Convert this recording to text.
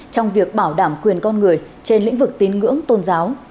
trong việc bảo đảm quyền con người trên lĩnh vực tín ngưỡng tôn giáo